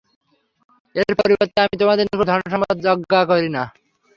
এর পরিবর্তে আমি তোমাদের নিকট ধন-সম্পদ যাজ্ঞা করি না।